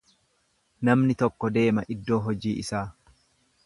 Namni tokko deema iddoo hojii isaa.